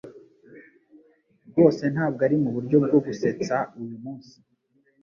rwose ntabwo ari muburyo bwo gusetsa uyumunsi.